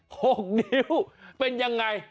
หกนิ้วเป็นยังไง